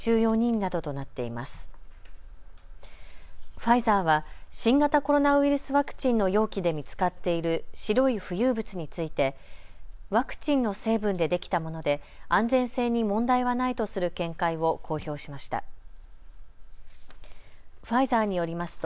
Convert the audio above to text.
ファイザーは新型コロナウイルスワクチンの容器で見つかっている白い浮遊物についてワクチンの成分でできたもので安全性に問題はないとする見解を公表しました。